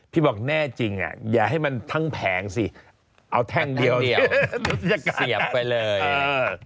บอกแน่จริงอ่ะอย่าให้มันทั้งแผงสิเอาแท่งเดียวเนี่ยเสียบไปเลยเออ